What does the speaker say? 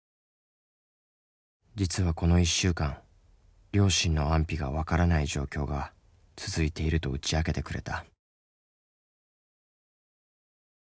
実はこの１週間両親の安否が分からない状況が続いていると打ち明けてくれた。